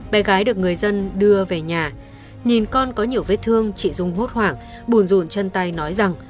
bé gái được người dân đưa về nhà nhìn con có nhiều vết thương chị dung hốt hoảng bùn rồn chân tay nói rằng